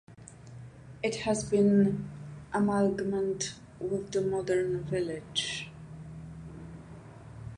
It has been amalgamated with the modern village.